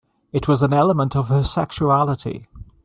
It was an element of her sexuality.